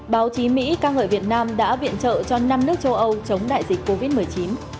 báo chí mỹ ca ngợi việt nam đã viện trợ cho năm nước châu âu chống đại dịch covid một mươi chín